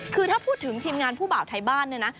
คือถ้าพูดถึงทีมงานผู้บ่าวไทยบ้านเนี่ยนะ